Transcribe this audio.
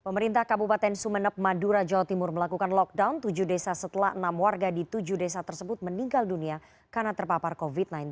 pemerintah kabupaten sumeneb madura jawa timur melakukan lockdown tujuh desa setelah enam warga di tujuh desa tersebut meninggal dunia karena terpapar covid sembilan belas